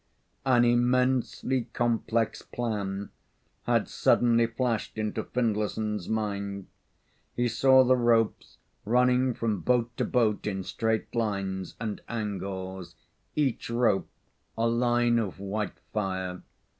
An immensely complex plan had suddenly flashed into Findlayson's mind. He saw the ropes running from boat to boat in straight lines and angles each rope a line of white fire.